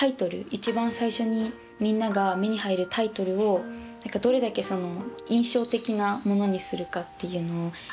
一番最初にみんなが目に入るタイトルをどれだけ印象的なものにするかっていうのを一番意識してます。